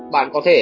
bạn có thể